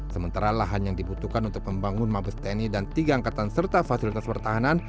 sementara lahan yang dibutuhkan untuk membangun mabes tni dan tiga angkatan serta fasilitas pertahanan